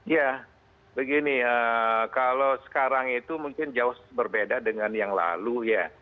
ya begini kalau sekarang itu mungkin jauh berbeda dengan yang lalu ya